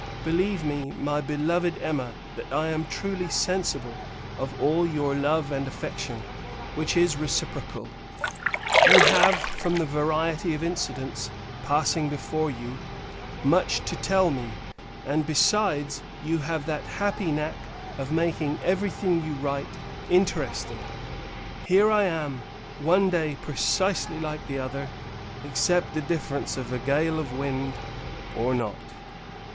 Believe me, my beloved Emma, that I am truly sensible of all your love and affection, which is reciprocal. You have, from the variety of incidents passing before you, much to tell me; and, besides, you have that happy knack of making every thing you write interesting. Here I am, one day precisely like the other; except the difference of a gale of wind, or not.